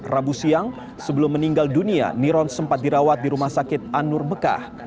rabu siang sebelum meninggal dunia niron sempat dirawat di rumah sakit anur mekah